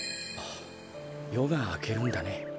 よがあけるんだね。